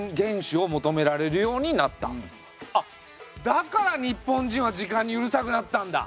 だから日本人は時間にうるさくなったんだ！